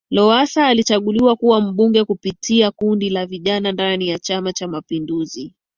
Lowassa alichaguliwa kuwa Mbunge kupitia kundi la Vijana ndani ya chama Cha mapinduzi